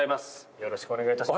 よろしくお願いします。